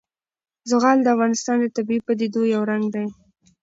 زغال د افغانستان د طبیعي پدیدو یو رنګ دی.